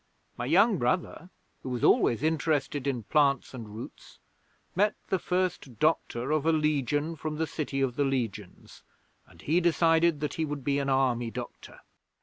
My young brother, who was always interested in plants and roots, met the First Doctor of a Legion from the City of the Legions, and he decided that he would be an Army doctor.